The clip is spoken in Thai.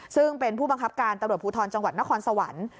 ซึ่งเป็นผู้บังคับการตำรวจภูทรจังหวัดนครสวรรค์